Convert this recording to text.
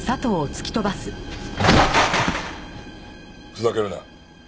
ふざけるな。